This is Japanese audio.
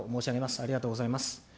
ありがとうございます。